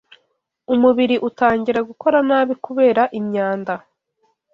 umubiri utangira gukora nabi kubera imyanda